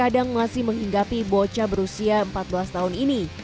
kadang masih menghinggapi bocah berusia empat belas tahun ini